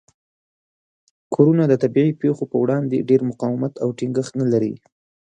کورونه د طبیعي پیښو په وړاندې ډیر مقاومت او ټینګښت نه لري.